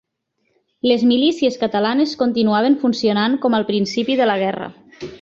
Les milícies catalanes continuaven funcionant com al principi de la guerra.